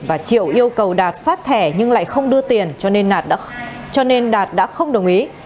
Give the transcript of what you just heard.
và triệu yêu cầu đạt phát thẻ nhưng lại không đưa tiền cho nên đạt đã không đồng ý